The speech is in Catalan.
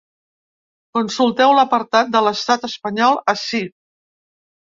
Consulteu l’apartat de l’estat espanyol ací.